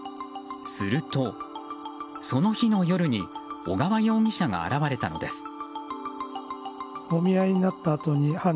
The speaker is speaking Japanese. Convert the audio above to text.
すると、その日の夜に小川容疑者が現れたのです。